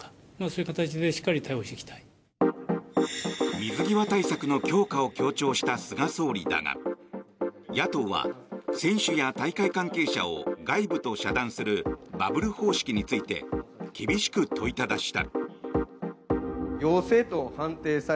水際対策の強化を強調した菅総理だが野党は、選手や大会関係者を外部と遮断するバブル方式について厳しく問いただした。